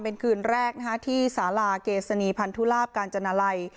เป็นคืนแรกที่สาราเกษณีพันธุลาบกาญจนาลัย